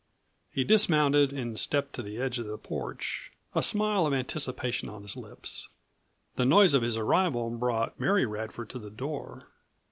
He dismounted and stepped to the edge of the porch, a smile of anticipation on his lips. The noise of his arrival brought Mary Radford to the door.